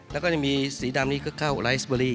แล้วก็มีสีดำนี้ก็ข้าวไรสเบอร์รี่